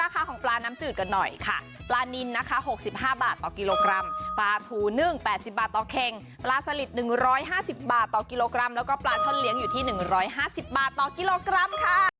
กันหน่อยค่ะปลานินนะคะหกสิบห้าบาทต่อกิโลกรัมปลาถูนึ่งแปดสิบบาทต่อเข็งปลาสลิดหนึ่งร้อยห้าสิบบาทต่อกิโลกรัมแล้วก็ปลาช่อนเลี้ยงอยู่ที่หนึ่งร้อยห้าสิบบาทต่อกิโลกรัมค่ะ